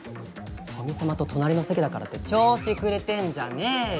古見様と隣の席だからって調子くれてんじゃねーよ。